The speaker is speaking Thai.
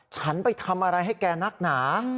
ฉันไปทำอะไรให้แกนักหนา